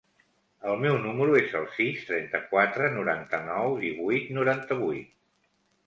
El meu número es el sis, trenta-quatre, noranta-nou, divuit, noranta-vuit.